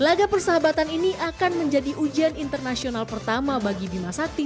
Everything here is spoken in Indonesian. laga persahabatan ini akan menjadi ujian internasional pertama bagi bima sakti